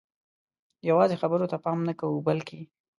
یوازې خبرو ته پام نه کوو بلکې